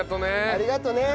ありがとうね。